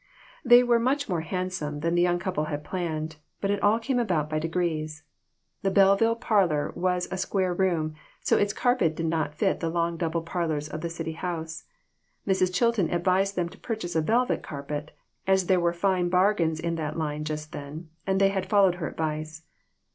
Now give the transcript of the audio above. They were much more handsome than the young couple had planned, but it all came about by degrees. The Belleville parlor was a square room, so its carpet did not fit the long double parlors of the city house. Mrs. Chilton advised them to purchase a velvet carpet, as there were fine bargains in that line just then, and they had followed her advice.